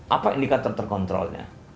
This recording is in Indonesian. apa indikator terkontrolnya